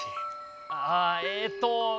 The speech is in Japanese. ああえっと別に。